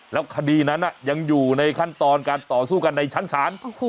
แล้วคดีนั้นยังอยู่ในขั้นตอนการต่อสู้กันในชั้นศาล